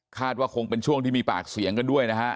ว่าคงเป็นช่วงที่มีปากเสียงกันด้วยนะฮะ